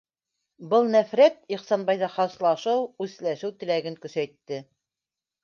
Был нәфрәт Ихсанбайҙа хаслашыу, үсләшеү теләген көсәйтте...